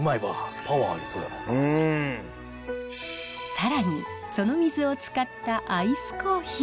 更にその水を使ったアイスコーヒー。